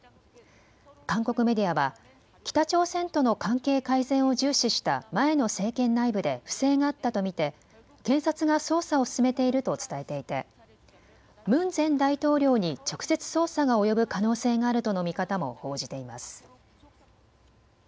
韓国メディアは北朝鮮との関係改善を重視した前の政権内部で不正があったと見て検察が捜査を進めていると伝えていてムン前大統領に直接捜査が及ぶ可能性があるとの見方も報じています。